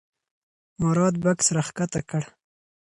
مراد بکس راښکته کړ.